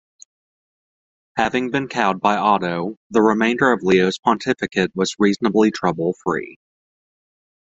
Having been cowed by Otto, the remainder of Leo's pontificate was reasonably trouble free.